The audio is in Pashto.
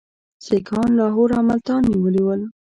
سیکهان لاهور او ملتان نیولي ول.